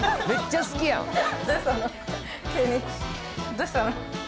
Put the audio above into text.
どうしたの？